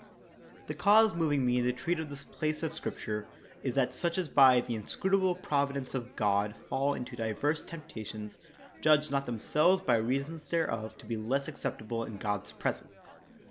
The cause moving me to treat of this place of Scripture is that such as by the inscrutable provi dence of God fall into divers temptations judge not themselves by reason thereof to be less acceptable in God's presence.